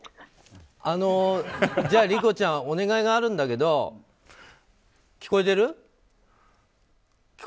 じゃあ、理子ちゃんお願いがあるんだけど聞こえてる？